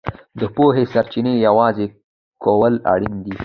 د پوهې سرچینې یوځای کول اړین دي.